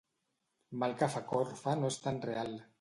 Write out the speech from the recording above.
Mal que fa corfa no és tan real.